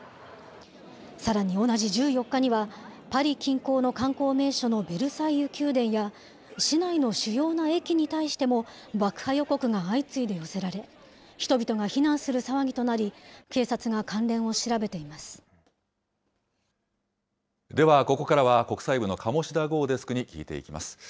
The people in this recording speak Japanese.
さらに同じ１４日には、パリ近郊の観光名所のベルサイユ宮殿や、市内の主要な駅に対しても、爆破予告が相次いで寄せられ、人々が避難する騒ぎとなり、では、ここからは国際部の鴨志田郷デスクに聞いていきます。